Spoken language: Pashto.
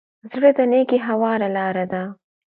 زړه د نېکۍ هواره لاره ده.